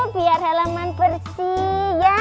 biar halaman bersih ya